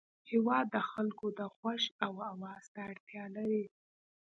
هېواد د خلکو د غوږ او اواز ته اړتیا لري.